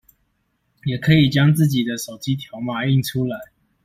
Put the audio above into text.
也可以將自己的手機條碼印出來